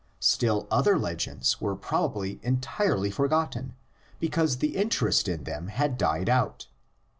Still other legends were probably entirely forgotten because the interest in them had died out.